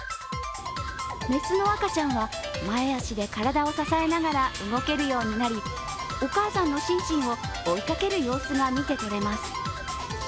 雌の赤ちゃんは前足で体を支えながら動けるようになりお母さんのシンシンを追いかける様子が見てとれます。